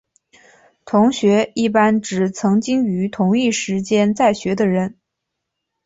同学一般指曾经于同一时间在学的人。